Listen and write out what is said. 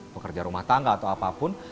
pekerja rumah tangga atau apapun